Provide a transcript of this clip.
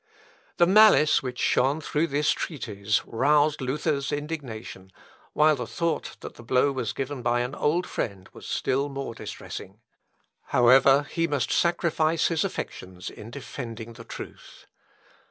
The malice which shone through this treatise roused Luther's indignation, while the thought that the blow was given by an old friend, was still more distressing. However, he must sacrifice his affections in defending the truth.